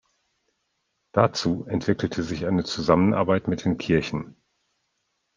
Dazu entwickelte sich eine Zusammenarbeit mit den Kirchen.